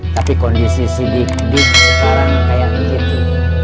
tapi kondisi si dik dik sekarang kayak gitu